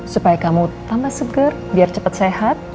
supaya kamu tambah seger biar cepat sehat